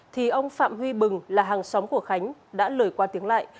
thì ông phạm huy bừng là hàng xóm của khánh đã lời qua tiếng lại